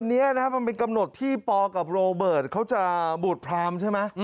อันนี้นะครับมันเป็นกำหนดที่ปกับโรเบิร์ตเขาจะบวชพรามใช่ไหม